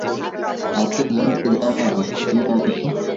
আমাকে জানতে দাও না কেন অন্তু?